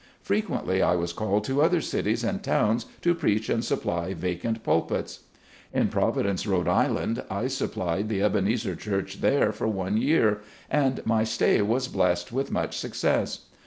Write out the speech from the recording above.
Frequently I was called to other cities and towns to preach and supply vacant pulpits. In Providence, R. I., I supplied the Ebenezer Church there for one year, and my stay was blessed with much success.